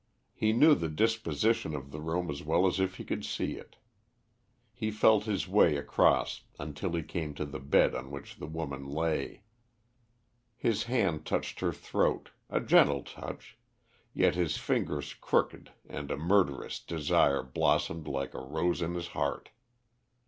He knew the disposition of the room as well as if he could see it. He felt his way across until he came to the bed on which the woman lay. His hand touched her throat a gentle touch yet his fingers crooked and a murderous desire blossomed like a rose in his heart.